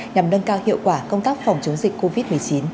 nhằm nâng cao hiệu quả công tác phòng chống dịch covid một mươi chín